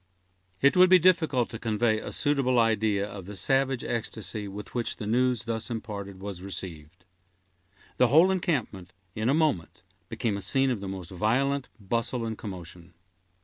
It would be difficult to convey a suitable idea of the savage ecstasy with which the news thus imparted was received. The whole encampment, in a moment, became a scene of the most violent bustle and commotion.